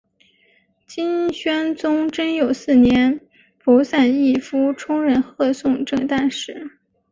金宣宗贞佑四年仆散毅夫充任贺宋正旦使。